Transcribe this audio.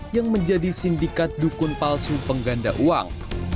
yang menjadi sindikat dukun palsu pengganda uang